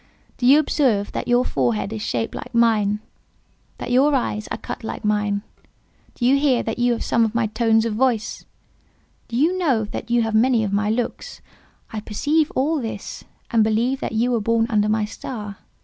Do you observe that your forehead is shaped like mine—that your eyes are cut like mine? Do you hear that you have some of my tones of voice? Do you know that you have many of my looks? I perceive all this, and believe that you were born under my star.